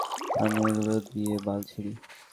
আমি এগুলো দিয়ে বাল ছিঁড়ি।